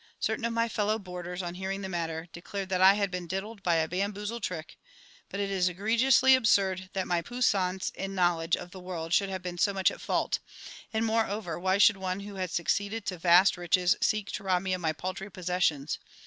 Certain of my fellow boarders, on hearing the matter, declared that I had been diddled by a bamboozle trick; but it is egregiously absurd that my puissance in knowledge of the world should have been so much at fault; and, moreover, why should one who had succeeded to vast riches seek to rob me of my paltry possessions?